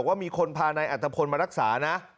ว่ามีคนพาในอัตภัณฑ์มารักษานะ